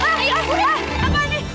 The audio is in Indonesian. ah ah ah apaan ini